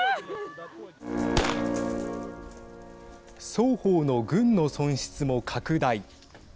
双方の軍の損失も拡大。